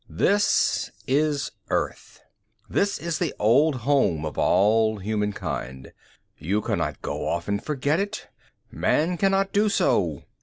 This is Earth. This is the old home of all humankind. You cannot go off and forget it. Man cannot do so.